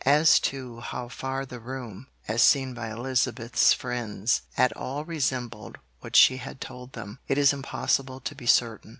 As to how far the room, as seen by Elizabeth's friends, at all resembled what she had told them, it is impossible to be certain.